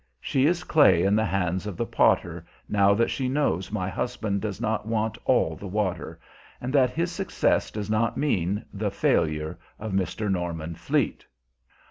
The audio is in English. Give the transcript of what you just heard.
She is clay in the hands of the potter, now that she knows my husband does not want "all the water," and that his success does not mean the failure of Mr. Norman Fleet.